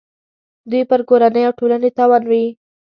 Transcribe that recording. دوی پر کورنۍ او ټولنې تاوان وي.